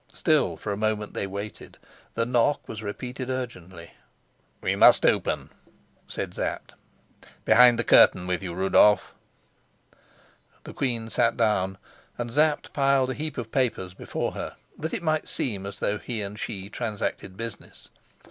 Still for a moment they waited. The knock was repeated urgently. "We must open," said Sapt. "Behind the curtain with you, Rudolf." The queen sat down, and Sapt piled a heap of papers before her, that it might seem as though he and she transacted business.